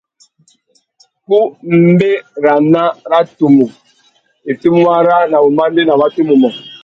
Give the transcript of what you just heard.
Ku mbérana râ tumu i fitimú wara na wumandēna wa tumu mô.